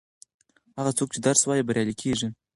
هغه څوک چې درس وايي بریالی کیږي.